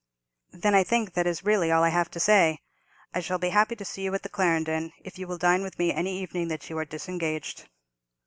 "Then I think that is really all I have to say. I shall be happy to see you at the Clarendon, if you will dine with me any evening that you are disengaged."